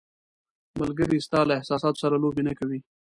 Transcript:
ملګری ستا له احساساتو سره لوبې نه کوي.